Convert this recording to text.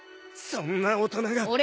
そんな大人が。